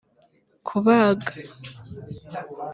kubaga